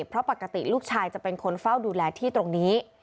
เพราะปกติลูกชายจะเป็นคนเฝ้าดูแลที่ตรงนี้